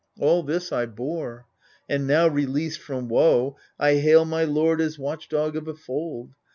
All this I bore, and now, released from woe, I hail my lord as watchndog of a fold.